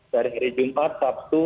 dari hari jumat sabtu